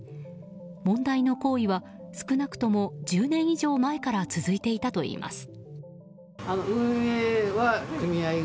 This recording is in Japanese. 問題の行為は少なくとも１０年以上前から続いていたといいます。